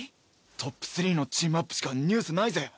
トップ３のチームアップしかニュースないぜ？